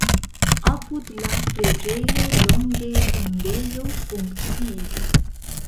Apud la preĝejo longe tombejo funkciis.